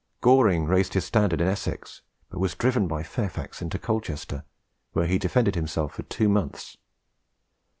Goring raised his standard in Essex, but was driven by Fairfax into Colchester, where he defended himself for two months.